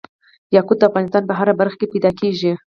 یاقوت د افغانستان په هره برخه کې موندل کېږي.